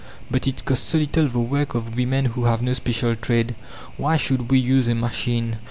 But "It costs so little, the work of women who have no special trade! Why should we use a machine?